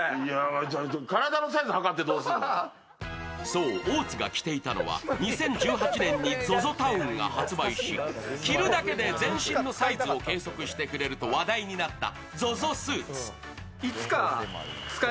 そう、大津が着ていたのは２０１８年にＺＯＺＯＴＯＷＮが発売し、着るだけで全身のサイズを計測してくれると話題になったＺＯＺＯＳＵＩＴ。